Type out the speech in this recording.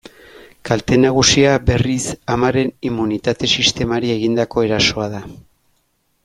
Kalte nagusia, berriz, amaren immunitate-sistemari egindako erasoa da.